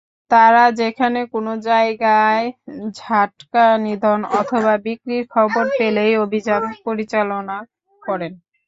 তারা যেকোনো জায়গায় জাটকা নিধন অথবা বিক্রির খবর পেলেই অভিযান পরিচালনা করেন।